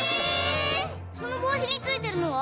そのぼうしについてるのは？